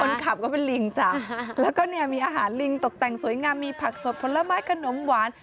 ขับก็เป็นลิงจ้ะแล้วก็เนี่ยมีอาหารลิงตกแต่งสวยงามมีผักสดผลไม้ขนมหวาน